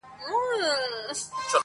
وړې څپې له توپانونو سره لوبي کوي،